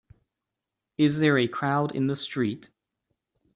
Is there a crowd in the street?